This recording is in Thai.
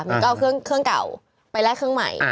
มีนก็เอาเครื่องเครื่องเก่าไปแลกเครื่องใหม่อ่า